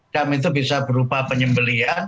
jam itu bisa berupa penyembelian